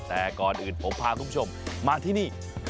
แต่ก่อนอื่นผมพาคุณผู้ชมมาที่นี่